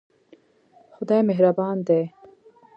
خدای مهربان دی